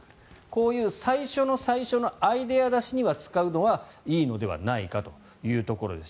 こういう最初の最初のアイデア出しに使うのはいいのではないかというところです。